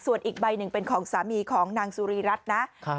ส่วนอีกใบหนึ่งเป็นของสามีของนางสุรีรัฐนะ